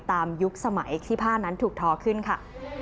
ยุคสมัยที่ผ้านั้นถูกทอขึ้นค่ะ